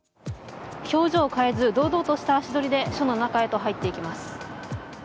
表情を変えず、堂々とした足取りで、署の中へと入っていきます。